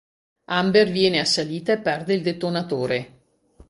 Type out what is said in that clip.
Amber viene assalita e perde il detonatore.